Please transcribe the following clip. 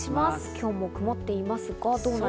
今日も曇っていますが。